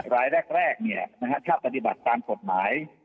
รายแรกถ้าปฏิบัติตามกฎหมาย